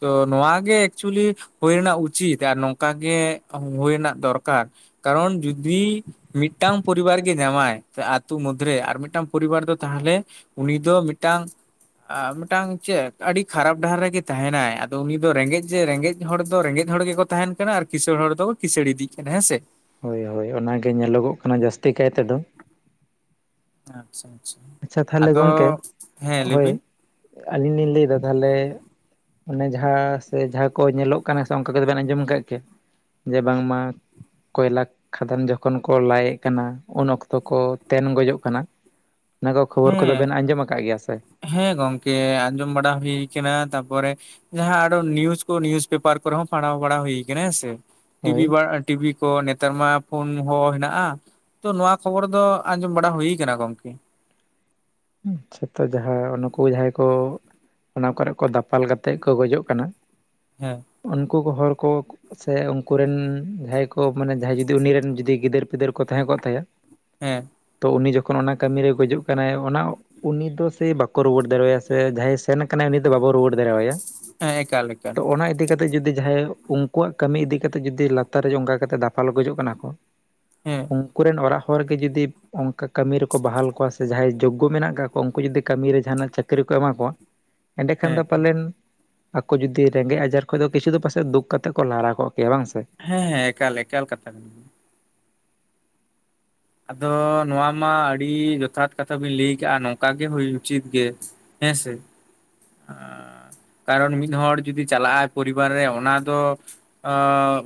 ᱛᱚ ᱱᱚᱣᱟ ᱜᱮ᱾ ᱮᱠᱪᱩᱭᱤ ᱦᱩᱭ ᱨᱮᱱᱟᱜ ᱩᱪᱤᱛ ᱟᱨ ᱱᱚᱝᱠᱟ ᱜᱮ ᱦᱩᱭ ᱨᱮᱱᱟᱜ ᱫᱚᱨᱠᱟᱨ᱿ ᱠᱟᱨᱚᱱ ᱡᱩᱫᱤ ᱢᱤᱫᱴᱟᱝ ᱯᱚᱨᱤᱵᱟᱨ ᱜᱮ ᱧᱟᱢᱟᱭ ᱟ ᱟᱹᱛᱩᱳ ᱢᱩᱚᱫᱽᱫᱨᱮ ᱟᱨ ᱢᱤᱫᱴᱟᱝ ᱯᱚᱨᱤᱵᱟᱨ ᱫᱚ ᱛᱟᱦᱚᱞᱮ ᱩᱱᱤ ᱫᱚ ᱢᱤᱫᱴᱟᱝ᱾ ᱢᱤᱫᱴᱟᱝ ᱪᱮᱫ ᱟᱹᱰᱤ ᱠᱷᱟᱨᱟᱯ ᱰᱟᱦᱟᱨ ᱨᱮᱜᱮ ᱛᱟᱦᱮᱱᱟᱭ ᱟᱫᱚ ᱩᱱᱤ ᱫᱚ ᱨᱮᱸᱜᱮᱡ ᱡᱮ ᱨᱮᱸᱜᱮᱡ ᱦᱚᱲ ᱫᱚ ᱨᱮᱸᱜᱮᱡ ᱦᱚᱲ ᱜᱮᱠᱚ ᱛᱟᱦᱮᱱ ᱠᱟᱱᱟ ᱟᱨ ᱠᱸᱤᱥᱟᱹᱲ ᱦᱚᱲ ᱫᱚ ᱠᱸᱤᱥᱟᱹᱲ ᱤᱫᱤᱜ ᱠᱟᱱᱟ ᱦᱮᱸ ᱥᱮ᱾ ᱦᱳᱭ ᱦᱳᱭ ᱚᱱᱟ ᱜᱮ ᱧᱮᱞᱚᱜᱚᱜ ᱠᱟᱱᱟ ᱡᱟᱹᱥᱛᱤ ᱠᱟᱭ ᱛᱮᱫᱚ᱾ ᱟᱪᱪᱷᱟ ᱟᱪᱪᱷᱟ ᱛᱟᱦᱚᱞᱮ ᱟᱫᱚ ᱜᱚᱝᱠᱮ ᱦᱮᱸ ᱞᱟᱹᱭ ᱵᱤᱱ ᱦᱳᱭ ᱟᱹᱞᱤᱧ ᱞᱤᱧ ᱞᱟᱹᱭ ᱮᱫᱟ ᱛᱟᱦᱟᱞᱮ ᱚᱱᱮ ᱡᱟᱦᱟᱸ ᱥᱮ ᱡᱟᱦᱟᱸ ᱠᱚ ᱧᱮᱞᱚᱜ ᱠᱟᱱᱟ ᱥᱮ ᱚᱱᱠᱟ ᱠᱚᱫᱚ ᱵᱮᱱ ᱟᱸᱡᱚᱢ ᱟᱠᱟᱫ ᱠᱮᱭᱟ᱿ ᱡᱮ ᱵᱟᱝᱢᱟ ᱠᱚᱭᱞᱟ ᱠᱷᱟᱫᱟᱱ ᱡᱚᱠᱷᱚᱱ ᱠᱚ ᱞᱟᱭᱮᱫ ᱠᱟᱱᱟ ᱩᱱ ᱚᱠᱛᱚ ᱠᱚ ᱛᱮᱱ ᱜᱚᱡᱚᱜ ᱠᱟᱱᱟ᱾ ᱚᱱᱟ ᱠᱚ ᱠᱷᱚᱵᱚᱨ ᱠᱚᱫᱚ ᱦᱮᱸ ᱵᱮᱱ ᱟᱸᱡᱚᱢ ᱟᱠᱟᱫ ᱜᱮᱭᱟ ᱥᱮ᱾ ᱦᱮᱸ ᱜᱚᱝᱠᱮ ᱟᱸᱡᱚᱢ ᱵᱟᱲᱟ ᱦᱩᱭ ᱠᱟᱱᱟ ᱛᱟᱯᱚᱨᱮ ᱡᱟᱦᱟᱸ ᱟᱨᱚ ᱱᱤᱭᱩᱡ ᱠᱚ ᱱᱤᱭᱩᱡ ᱯᱮᱯᱟᱨ ᱠᱚᱨᱮ ᱦᱚᱸ ᱯᱟᱲᱦᱟᱣ ᱵᱟᱲᱟ ᱦᱩᱭ ᱠᱟᱱᱟ ᱦᱮᱸ ᱥᱮ ᱴᱤᱵᱷᱤ ᱦᱳᱭ ᱵᱟ- ᱴᱤᱵᱷᱤ ᱠᱚ ᱱᱮᱛᱟᱨ ᱢᱟ ᱯᱷᱳᱱ ᱦᱚᱸ ᱦᱮᱱᱟᱜᱼᱟ᱾ ᱛᱚ ᱱᱚᱣᱟ ᱠᱷᱚᱵᱚᱨ ᱫᱚ ᱟᱸᱡᱚᱢ ᱵᱟᱲᱟ ᱦᱩᱭᱩᱠᱟᱱᱟ ᱜᱚᱝᱠᱮ᱿ ᱟᱪᱪᱷᱟ <unintelligible> ᱡᱟᱦᱟᱸ ᱱᱩᱠᱩ ᱡᱟᱦᱟᱸᱭ ᱠᱚ ᱚᱱᱟ ᱠᱚᱨᱮ ᱠᱚ ᱫᱟᱯᱟᱞ ᱠᱟᱛᱮᱫ ᱠᱚ ᱜᱚᱡᱚᱜ ᱠᱟᱱᱟ᱾ ᱦᱮᱸ ᱩᱱᱠᱩ ᱠᱚ ᱦᱚᱲ ᱠᱚ᱾ ᱥᱮ ᱩᱱᱠᱩ ᱨᱮᱱ ᱡᱟᱦᱟᱸᱭ ᱠᱚ ᱢᱟᱱᱮ ᱡᱟᱦᱟᱸᱭ ᱡᱩᱫᱤ ᱩᱱᱤ ᱨᱮᱱ ᱡᱩᱫᱤ ᱜᱤᱫᱟᱹᱨ ᱯᱤᱫᱟᱹᱨ ᱠᱚ ᱛᱟᱦᱮᱸ ᱠᱚᱜ ᱛᱟᱭᱟ᱾ ᱦᱮᱸ ᱛᱚ ᱩᱱᱤ ᱡᱚᱠᱷᱚᱱ ᱚᱱᱟ ᱠᱟᱹᱢᱤᱨᱮ ᱜᱚᱡᱩᱜ ᱠᱟᱱᱟᱭ ᱚᱱᱟ ᱩᱱᱤ ᱫᱚ ᱥᱮᱭ ᱵᱟᱠᱚ ᱨᱩᱣᱟᱹᱲ ᱫᱟᱲᱮᱣᱟᱭᱟ ᱥᱮ ᱡᱟᱦᱟᱸᱭ ᱥᱮᱱ ᱠᱟᱱᱟᱭ ᱩᱱᱤ ᱫᱚ ᱵᱟᱵᱚ ᱨᱩᱣᱟᱹᱲ ᱫᱟᱲᱮᱣᱟᱭᱟ᱾ ᱦᱮᱸ ᱮᱠᱟᱞ ᱮᱠᱟᱞ ᱤ ᱠᱟᱛᱮ ᱡᱩᱫᱤ ᱡᱟᱦᱟᱸᱭ ᱩᱱᱠᱩᱣᱟᱜ ᱠᱟᱹᱢᱤ ᱤᱫᱤ ᱠᱟᱛᱮ ᱡᱩᱫᱤ ᱞᱟᱛᱟᱨ ᱨᱮ ᱚᱱᱠᱟ ᱠᱟᱛᱮ ᱫᱟᱯᱷᱟᱞ ᱜᱚᱡᱚᱜ ᱠᱟᱱᱟ ᱠᱚ᱾ ᱦᱮᱸ ᱩᱱᱠᱩ ᱨᱮᱱ ᱚᱲᱟᱜ ᱦᱚᱲ ᱜᱮ ᱡᱩᱫᱤ ᱚᱱᱠᱟ ᱠᱟᱹᱢᱤ ᱨᱮᱠᱚ ᱵᱟᱦᱟᱞ ᱠᱚᱣᱟ ᱥᱮ ᱡᱟᱦᱟᱸᱭ ᱩᱱᱠᱩ ᱢᱮᱱᱟᱜ ᱠᱟᱜ ᱠᱚᱣᱟ ᱩᱱᱠᱩ ᱡᱩᱫᱤ ᱠᱟᱹᱢᱤᱨᱮ ᱡᱟᱦᱟᱱᱟᱜ ᱪᱟᱹᱠᱨᱤ ᱠᱚ ᱮᱢᱟ ᱠᱚᱣᱟ ᱮᱸᱰᱮᱠᱷᱟᱱ ᱫᱚ ᱦᱮᱸ ᱯᱟᱞᱮᱱ ᱟᱠᱚ ᱡᱩᱫᱤ ᱨᱮᱸᱜᱮᱡ ᱟᱡᱟᱨ ᱠᱷᱚᱡ ᱫᱚ ᱠᱤᱪᱷᱩ ᱫᱚ ᱯᱟᱥᱮᱡ ᱫᱩᱠ ᱠᱟᱛᱮᱫ ᱠᱚ ᱞᱟᱲᱟ ᱠᱚᱜ ᱠᱮᱭᱟ ᱵᱟᱝ ᱥᱮ? ᱦᱮᱸ ᱦᱮᱸ ᱮᱠᱟᱞ ᱮᱠᱟᱞ ᱠᱟᱛᱟ ᱠᱟᱱᱟ᱾ ᱟᱫᱚ ᱱᱚᱣᱟ ᱢᱟ ᱟᱹᱰᱤ ᱡᱚᱛᱷᱟᱛ ᱠᱟᱛᱷᱟ ᱵᱤᱱ ᱞᱟᱹᱭ ᱠᱟᱜᱼᱟ ᱱᱚᱝᱠᱟ ᱜᱮ ᱦᱩᱭ ᱩᱪᱤᱛ ᱜᱮ ᱦᱮᱸ ᱥᱮ᱾ <inaudible> ᱟᱨ ᱩᱱᱤ ᱢᱤᱫ ᱦᱚᱲ ᱡᱩᱫᱤ ᱪᱟᱞᱟᱜ ᱟᱭ ᱯᱚᱨᱤᱵᱟᱨ ᱨᱮ ᱚᱱᱟ ᱫᱚ᱾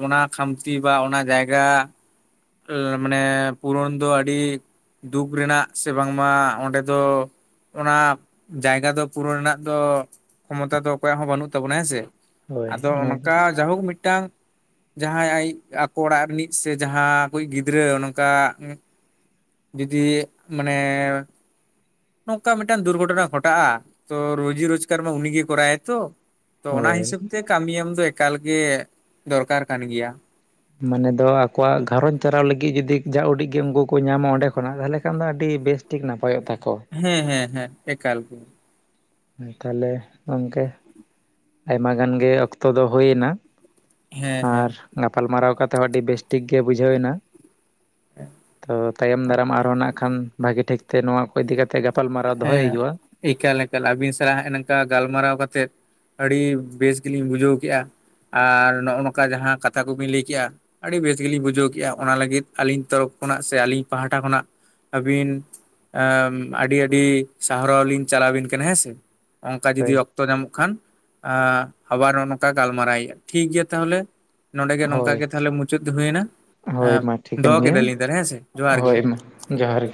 ᱚᱱᱟ ᱠᱷᱟᱢᱛᱤ ᱵᱟ ᱚᱱᱟ ᱡᱟᱭᱜᱟ ᱢᱟᱱᱮ᱾ ᱯᱩᱨᱚᱱ ᱫᱚ ᱟᱹᱰᱤ ᱫᱩᱠ ᱨᱮᱱᱟᱜ ᱥᱮ ᱵᱟᱝᱢᱟ ᱚᱸᱰᱮ ᱫᱚ᱾ ᱚᱱᱟ ᱡᱟᱭᱜᱟ ᱫᱚ ᱯᱩᱨᱟᱹ ᱨᱮᱱᱟᱜ ᱫᱚ ᱠᱷᱚᱢᱚᱛᱟ ᱫᱚ ᱚᱠᱚᱭᱟᱜ ᱦᱚᱸ ᱵᱟᱹᱱᱩᱜ ᱛᱟᱵᱚᱱᱟ ᱦᱮᱸ ᱥᱮ᱾ ᱦᱳᱭ ᱟᱫᱚ ᱚᱱᱟ ᱫᱚ ᱚᱱᱠᱟ ᱡᱟᱭᱦᱳᱠ ᱢᱤᱫᱴᱟᱝ ᱡᱟᱦᱟᱸᱭ ᱟᱭᱤᱡ ᱟᱠᱚ ᱚᱲᱟᱜ ᱨᱤᱱᱤᱡ ᱥᱮ ᱡᱟᱦᱟᱸ ᱠᱚᱭᱤᱡ ᱜᱤᱫᱽᱨᱟᱹ ᱱᱚᱝᱠᱟ ᱡᱩᱫᱤ ᱢᱟᱱᱮ ᱱᱚᱝᱠᱟ ᱢᱤᱫᱴᱟᱝ ᱫᱩᱨᱜᱷᱚᱴᱚᱱᱟ ᱜᱷᱚᱴᱟᱜᱼᱟ ᱛᱚ ᱨᱩᱡᱤ ᱨᱳᱡᱽᱜᱟᱨ ᱢᱟ ᱩᱱᱤᱜᱮ ᱠᱚᱨᱟᱭᱟᱭ ᱛᱚ ᱛᱚ ᱚᱱᱟ ᱦᱳᱭ ᱦᱤᱥᱟᱹᱵᱽ ᱛᱮ ᱠᱟᱹᱢᱤ ᱮᱢᱫᱚ ᱮᱠᱟᱞ ᱜᱮ ᱫᱚᱨᱠᱟᱨ ᱠᱟᱱ ᱜᱮᱭᱟ ᱢᱟᱱᱮ ᱫᱚ ᱟᱠᱚᱣᱟᱜ ᱜᱷᱟᱨᱚᱸᱡᱽ ᱪᱟᱨᱟᱣ ᱞᱟᱹᱜᱤᱫ ᱡᱩᱫᱤ ᱡᱟ ᱩᱰᱤᱡ ᱜᱮ ᱩᱱᱠᱩ ᱠᱚ ᱧᱟᱢᱟ ᱚᱸᱰᱮ ᱠᱷᱚᱱᱟᱜ ᱛᱟᱦᱚᱞᱮ ᱠᱷᱟᱱ ᱫᱚ ᱟᱹᱰᱤ ᱵᱮᱥ ᱴᱷᱤᱠ ᱱᱟᱯᱟᱭᱚᱜ ᱛᱟᱠᱚ ᱦᱮᱸ ᱦᱮᱸ ᱦᱮᱸ ᱮᱠᱟᱞ ᱜᱮ ᱛᱟᱦᱚᱞᱮ ᱜᱚᱢᱠᱮ ᱟᱭᱢᱟ ᱜᱟᱱ ᱜᱮ ᱚᱠᱛᱚ ᱫᱚ ᱦᱩᱭᱱᱟ ᱦᱮᱸ ᱦᱮᱸ ᱜᱟᱯᱟᱞᱢᱟᱨᱟᱣ ᱠᱟᱛᱮ ᱦᱚᱸ ᱟᱹᱰᱤ ᱵᱮᱥᱴᱷᱤᱠ ᱜᱮ ᱵᱩᱡᱷᱟᱹᱣ ᱮᱱᱟ ᱛᱚ ᱛᱟᱭᱚᱢ ᱫᱟᱨᱟᱢ ᱟᱨᱦᱚᱸ ᱱᱟᱜ ᱠᱷᱟᱱ ᱵᱷᱟᱜᱮ ᱴᱷᱤᱠ ᱛᱮ ᱱᱚᱣᱟ ᱠᱚ ᱤᱫᱤ ᱠᱟᱛᱮ ᱜᱟᱯᱟᱞᱢᱟᱨᱟᱣ ᱫᱚᱦᱚᱭ ᱦᱮᱸ ᱦᱩᱭᱩᱜᱼᱟ ᱮᱠᱟᱞ ᱮᱠᱟ ᱟᱹᱵᱤᱱ ᱥᱟᱞᱟᱜ ᱦᱮᱜ-ᱮ ᱱᱚᱝᱠᱟ ᱜᱟᱞᱢᱟᱨᱟᱣ ᱠᱟᱛᱮᱫ ᱟᱹᱰᱤ ᱵᱮᱥ ᱜᱮᱞᱤᱧ ᱵᱩᱡᱷᱟᱹᱣ ᱠᱮᱜᱼᱟ ᱟᱨ ᱱᱚᱜᱼᱚ ᱱᱚᱝᱠᱟ ᱡᱟᱦᱟᱸ ᱠᱟᱛᱷᱟ ᱠᱚᱵᱤᱱ ᱞᱟᱹᱭ ᱠᱮᱜᱼᱟ ᱟᱹᱰᱤ ᱵᱮᱥ ᱜᱮᱞᱤᱧ ᱵᱩᱡᱷᱟᱹᱣ ᱠᱮᱜᱼᱟ ᱚᱱᱟ ᱞᱟᱹᱜᱤᱫ ᱟᱹᱞᱤᱧ ᱛᱚᱨᱚᱯᱷ ᱠᱷᱚᱱᱟᱜ ᱥᱮ ᱟᱹᱞᱤᱧ ᱯᱟᱦᱴᱟ ᱠᱷᱚᱱᱟᱜ ᱟᱹᱵᱤᱱ ᱟᱹᱰᱤ ᱟᱹᱰᱤ ᱥᱟᱨᱦᱟᱣ ᱞᱤᱧ ᱪᱟᱞᱟᱵᱤᱱ ᱠᱟᱱᱟ ᱦᱮᱸ ᱥᱮ ᱚᱱᱠᱟ ᱡᱩᱫᱤ ᱦᱳᱭ ᱚᱠᱛᱚ ᱚᱠᱛᱚ ᱧᱟᱢᱚᱜ ᱠᱷᱟᱱ ᱟᱵᱟᱨ ᱱᱚᱜ ᱚ ᱱᱚᱝᱠᱟ ᱜᱟᱞᱢᱟᱨᱟᱭ ᱴᱷᱤᱠ ᱜᱮᱭᱟ ᱛᱟᱦᱚᱞᱮ ᱱᱚᱸᱰᱮᱜᱮ ᱱᱚᱝᱠᱟᱜ ᱦᱳᱭ ᱜᱮ ᱛᱟᱦᱚᱞᱮ ᱢᱩᱪᱟᱹᱫ ᱦᱩᱭᱱᱟ ᱦᱳᱭ ᱢᱟ ᱴᱷᱤᱠᱟᱹᱱ ᱫᱚᱦᱚ ᱜᱮᱭᱟ ᱠᱮᱫᱟᱞᱤᱧ ᱛᱟᱦᱚᱞᱮ ᱦᱮᱸᱥᱮ ᱡᱚᱦᱟᱨ ᱜᱮ! ᱦᱳᱭ ᱢᱟ ᱡᱚᱦᱟᱨ ᱜᱮ